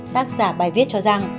tác giả bài viết cho rằng